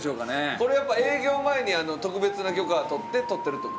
これやっぱ営業前に特別な許可取って撮ってるって事？